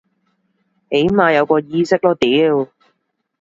起碼有個意識囉屌